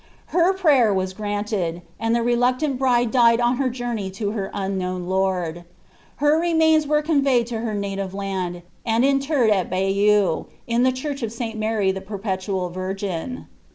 Her prayer was granted, and the reluc tant bride died on her journey to her unknown lord. Her remains were conveyed to her native land, and interred at Bayeux, in the church of St. Mary the perpetual virgin.